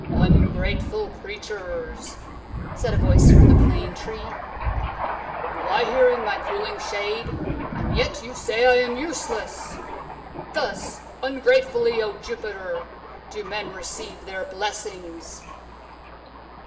"Ungrateful creatures!" said a voice from the Plane Tree. "You lie here in my cooling shade, and yet you say I am useless! Thus ungratefully, O Jupiter, do men receive their blessings!"